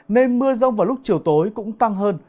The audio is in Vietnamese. nên mưa rông vào lúc chiều tối cũng tăng hơn